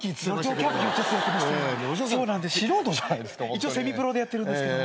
一応セミプロでやってるんですけど。